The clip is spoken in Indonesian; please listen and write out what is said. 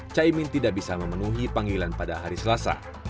caimin tidak bisa memenuhi panggilan pada hari selasa